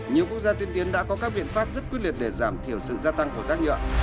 nhiều quốc gia tiên tiến đã có các biện pháp rất quyết liệt để giảm thiểu sự gia tăng của rác nhựa